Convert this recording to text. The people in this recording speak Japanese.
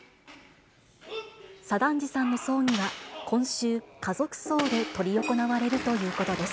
左團次さんの葬儀は今週、家族葬で執り行われるということです。